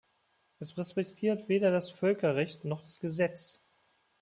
Es respektiert weder das Völkerrecht noch das Gesetz.